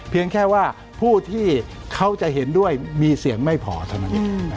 เพียงแค่ว่าผู้ที่เขาจะเห็นด้วยมีเสียงไม่พอถนนนี้